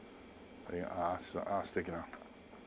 ああ素敵な。